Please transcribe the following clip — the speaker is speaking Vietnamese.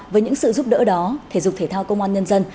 với những sự giúp đỡ đó thể dục thể thao công an nhân dân